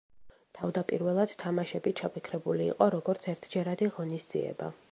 თავდაპირველად თამაშები ჩაფიქრებული იყო როგორც ერთჯერადი ღონისძიება.